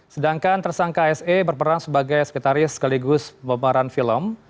sedangkan tersangka se berperan sebagai sekretaris sekaligus pemeran film